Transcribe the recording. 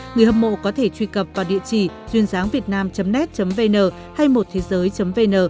người hâm mộ có thể truy cập vào địa chỉ duyên giángvietnam net vn hay một thế giới vn